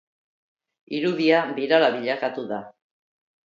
Irudia birala bilakatu da.